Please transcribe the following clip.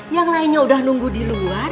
yang lainnya udah nunggu di luar